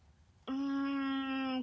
うん。